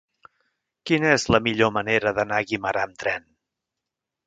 Quina és la millor manera d'anar a Guimerà amb tren?